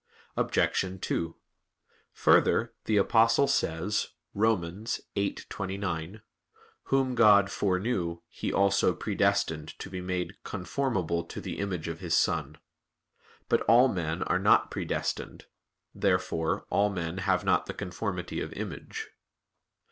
Obj. 2: Further, the Apostle says (Rom. 8:29): "Whom God foreknew, He also predestined to be made conformable to the image of His Son." But all men are not predestined. Therefore all men have not the conformity of image.